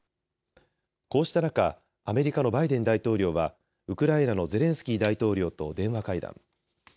こうした中、アメリカのバイデン大統領はウクライナのゼレンスキー大統領と電話会談。